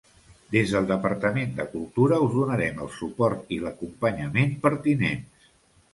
Des del Departament de Cultura us donarem el suport i l'acompanyament pertinents.